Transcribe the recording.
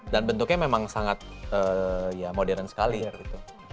dan bentuknya memang sangat ya modern sekali gitu